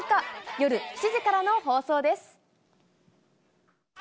夜７時からの放送です。